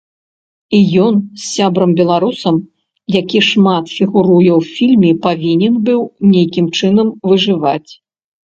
І ён з сябрам-беларусам, які шмат фігуруе ў фільме, павінен быў нейкім чынам выжываць.